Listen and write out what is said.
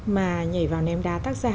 mà nhảy vào ném đá tác giả